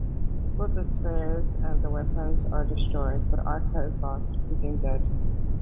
Both the spheres and the weapon are destroyed, but Archer is lost, presumed dead.